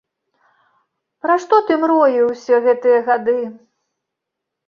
Пра што ты мроіў усе гэтыя гады?